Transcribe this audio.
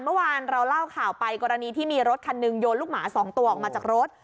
เมื่อวานเราเล่าข่าวไปกรณีที่มีรถคันหนึ่งโยนลูกหมา๒ตัวออกมาจากรถ